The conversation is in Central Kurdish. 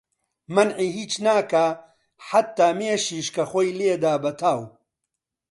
مەنعی هیچ ناکا حەتا مێشیش کە خۆی لێدا بە تاو